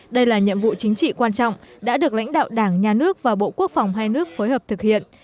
đây là nhiệm vụ chính trị quan trọng đã được lãnh đạo đảng nhà nước và bộ quốc phòng hai nước phối hợp thực hiện